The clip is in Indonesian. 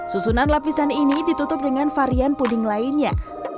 susunan lapisan ini ditutup dengan varian puding lainnya